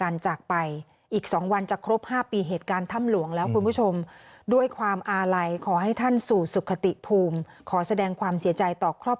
และบำเพ็ญคุณส่วนอุทิศให้